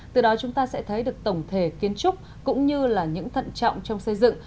từ đó chúng ta sẽ thấy được tổng thể kiến trúc cũng như là những thận trọng trong xây dựng